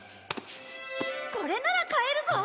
これなら買えるぞ！